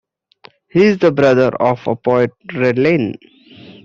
He is the brother of poet Red Lane.